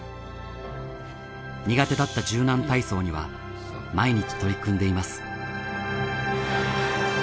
苦手だった柔軟体操には毎日取り組んでいます。